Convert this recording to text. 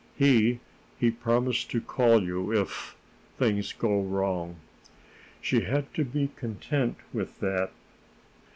He he promises to call you if things go wrong." She had to be content with that.